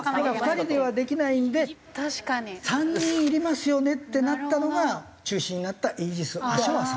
２人ではできないんで３人いりますよねってなったのが中止になったイージス・アショアさん。